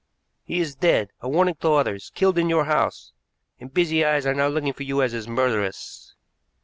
He is dead, a warning to others, killed in your house, and busy eyes are now looking for you as his murderess.